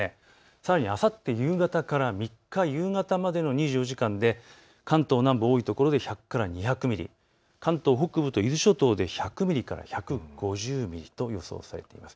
さらにあさって夕方から３日、夕方までの２４時間で、関東南部、多い所で１００から２００ミリ、関東北部と伊豆諸島で１００から１５０ミリと予想されています。